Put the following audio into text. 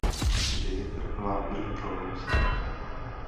Kde je trvalá udržitelnost?